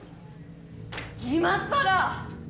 今さら？